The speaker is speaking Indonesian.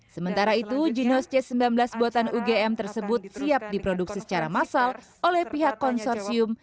sementara itu ginos c sembilan belas buatan ugm tersebut siap diproduksi secara massal oleh pihak konsorsium